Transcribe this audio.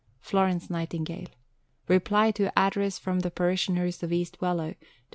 FLORENCE NIGHTINGALE (Reply to Address from the Parishioners of East Wellow, Dec.